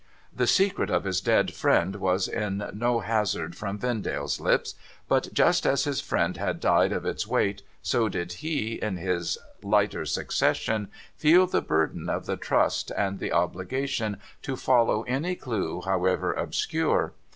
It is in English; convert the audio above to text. The secret of his dead friend was in no hazard from Vendale's lips ; but just as his friend had died of its weight, so did he in his lighter succession feel the burden of the trust, and the obligation to follow any clue, however obscure.